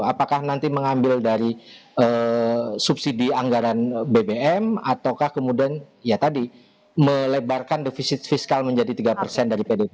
apakah nanti mengambil dari subsidi anggaran bbm ataukah kemudian ya tadi melebarkan defisit fiskal menjadi tiga persen dari pdp